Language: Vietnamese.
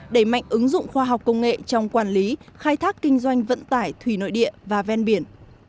đẩy mạnh ứng dụng khoa học công nghệ trong quản lý khai thác kinh doanh vận tải thủy nội địa và ven biển